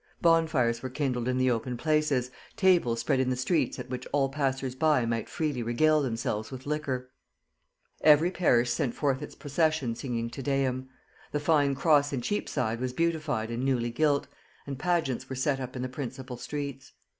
Bonfires were kindled in the open places, tables spread in the streets at which all passers by might freely regale themselves with liquor: every parish sent forth its procession singing Te Deum; the fine cross in Cheapside was beautified and newly gilt, and pageants were set up in the principal streets.